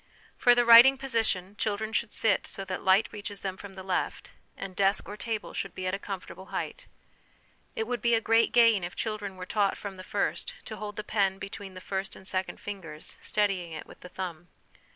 For the writing position children should sit so that light reaches them from the left, and desk or table should be at a comfortable height. It would be a great gain if children were taught from the first to hold the pen between the first and second fingers, steadying it with the thumb.